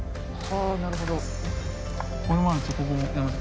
ああなるほど。